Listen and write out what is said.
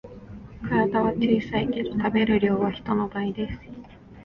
体は小さいけど食べる量は人の倍です